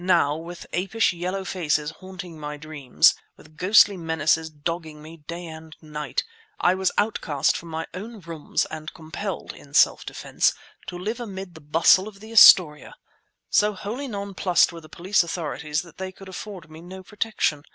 Now, with apish yellow faces haunting my dreams, with ghostly menaces dogging me day and night, I was outcast from my own rooms and compelled, in self defence, to live amid the bustle of the Astoria. So wholly nonplussed were the police authorities that they could afford me no protection.